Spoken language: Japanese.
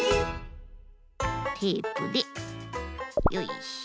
テープでよいしょ。